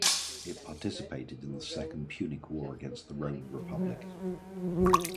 It participated in the Second Punic War against the Roman Republic.